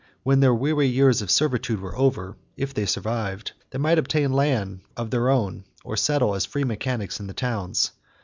When their weary years of servitude were over, if they survived, they might obtain land of their own or settle as free mechanics in the towns.